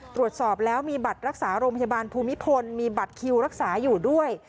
ตรวจสอบแล้วมีบัตรรักษาโรงพยาบาลภูมิพลมีบัตรคิวรักษาอยู่ด้วย